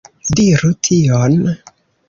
Diru tion.